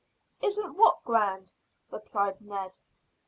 "Isn't what grand?" replied Ned.